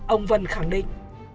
ông vân khẳng định